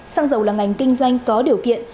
xăng dầu là ngành kinh doanh có điều kiện